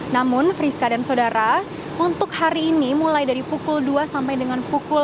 namun friska dan saudara untuk hari ini mulai dari pukul dua sampai dengan pukul